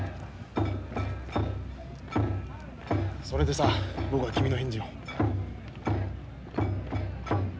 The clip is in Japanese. それでさ僕は君の返事を。